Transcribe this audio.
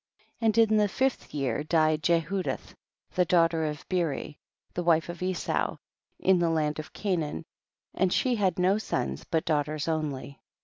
21. And in the fifth year died Je hudith, the daughter of Beeri, the wife of Esau, in the land of Canaan, and she had no sons but daughters only.